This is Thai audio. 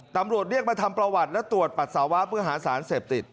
ตำรวจเรียกมาทำประวัติและตรวจปัสสาวะเพื่อหาสารเสพติด